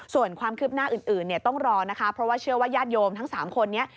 ส่วนความคืบหน้าอื่นเนี่ยต้องรอนะคะเพราะว่าเชื่อว่าญาติโยมทั้ง๓คนนี้